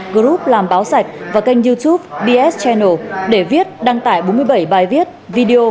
group làm báo sạch và kênh youtube bs tranal để viết đăng tải bốn mươi bảy bài viết video